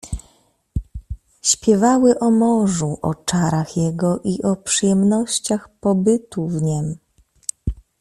"Śpiewały o morzu, o czarach jego i o przyjemnościach pobytu w niem."